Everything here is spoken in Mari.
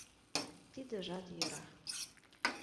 — Тидыжат йӧра.